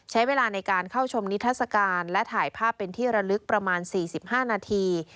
ใช้เวลาในการเข้าชมนิทัศกาลและถ่ายภาพเป็นที่ระลึกประมาณ๔๕นาที